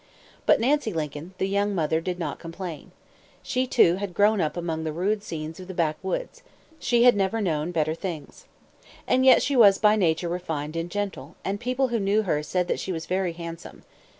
But Nancy Lincoln, the young mother, did not complain. She, too, had grown up among the rude scenes of the backwoods. She had never known better things. And yet she was by nature refined and gentle; and people who knew her said that she was very handsome.